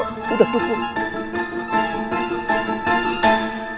terus akang percaya